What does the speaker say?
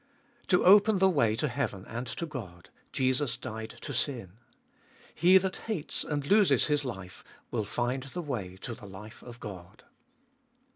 2. To open the way to heaven and to God, Jesus died to sin. He that hates and loses his life will find the way to the life of God.